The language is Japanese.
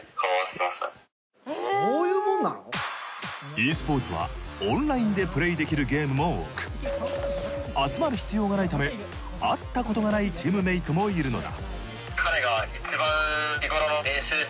ｅスポーツはオンラインでプレイできるゲームも多く集まる必要がないため会ったことがないチームメイトもいるのだ。